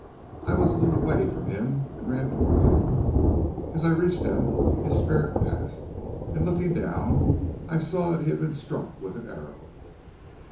I was a little way from him, and ran towards him. As I reached him his spirit passed, and looking down I saw that he had been struck with an arrow."